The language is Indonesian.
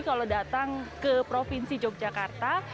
kalau datang ke provinsi yogyakarta